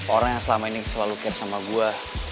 orang yang selama ini selalu care sama gue